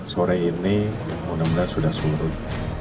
sore ini mudah mudahan sudah surut